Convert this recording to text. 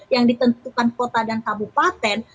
yang ditentukan kota dan kabupaten